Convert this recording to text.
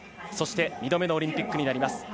そして、２度目のオリンピックになります。